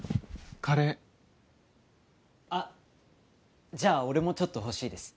カレーあっじゃあ俺もちょっと欲しいです